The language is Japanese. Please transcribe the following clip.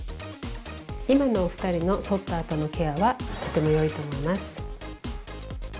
今のお二人のそったあとのケアはとてもよいと思います。